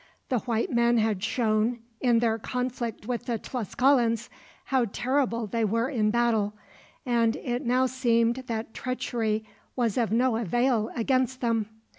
The white men had shown, in their conflict with the Tlascalans, how terrible they were in battle, and it now seemed that treachery was of no avail against them.